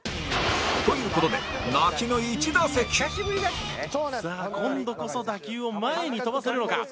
という事でさあ今度こそ打球を前に飛ばせるのか？